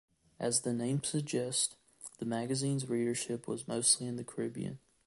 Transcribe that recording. As the name suggests, the magazine's readership was mostly in the Caribbean.